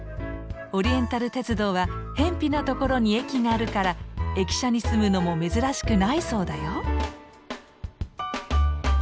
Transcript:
オリエンタル鉄道はへんぴな所に駅があるから駅舎に住むのも珍しくないそうだよ。